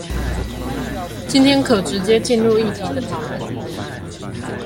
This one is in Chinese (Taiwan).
今天可直接進入議題的討論